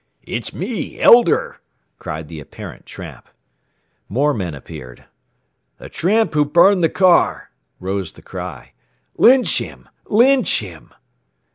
"It's me! Elder!" cried the apparent tramp. More men appeared. "The tramp who burned the car!" rose the cry. "Lynch him! Lynch him!"